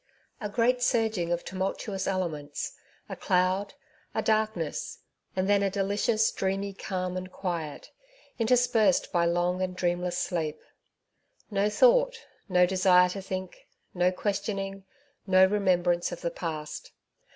A GREAT surging of tumultuous elements^ a cloud, a darkness, and then a delicious, dreamy calm and quiet, interspersed by long and dreamless sleep! No thought, no desire to think, no questioning, no remembrance of the past